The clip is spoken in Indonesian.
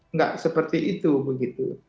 nggak seperti itu begitu